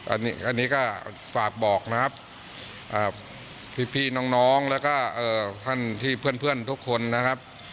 อันนี้ก็ฝากบอกนะครับพี่น้องแล้วก็ท่านที่เพื่อนทุกคนนะครับ